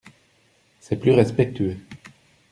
C’est plus respectueux.